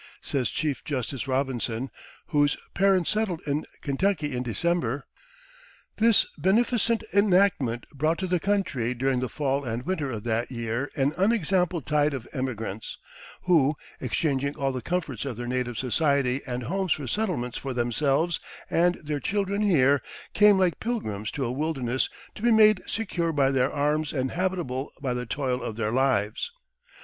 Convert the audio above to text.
Says Chief Justice Robinson, whose parents settled in Kentucky in December: "This beneficent enactment brought to the country during the fall and winter of that year an unexampled tide of emigrants, who, exchanging all the comforts of their native society and homes for settlements for themselves and their children here, came like pilgrims to a wilderness to be made secure by their arms and habitable by the toil of their lives.